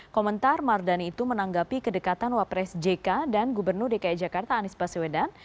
komentar mardani itu menanggapi kedekatan wapres jk dan gubernur dki jakarta anies baswedan